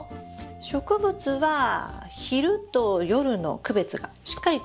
植物は昼と夜の区別がしっかりと必要になります。